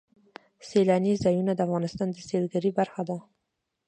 سیلانی ځایونه د افغانستان د سیلګرۍ برخه ده.